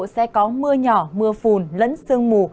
sẽ có mưa nhỏ mưa phùn lẫn sương mù